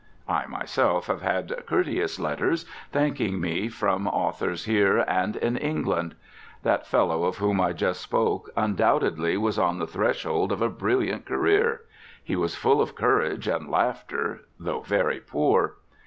I myself have had courteous letters thanking me from authors here and in England. That fellow of whom I just spoke undoubtedly was on the threshold of a brilliant career; he was full of courage and laughter, though very poor.